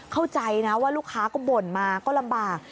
เข้าใจนะว่าลูกค้าก็บ่นมาก็ลำบาก